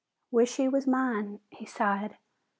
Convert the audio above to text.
"Wish he was mine!" he sighed.